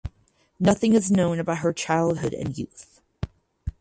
Nothing is known about her childhood and youth.